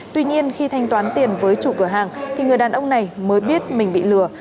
tuy nhiên khi thanh toán tiền với chủ cửa hàng thì người đàn ông này mới biết mình bị lừa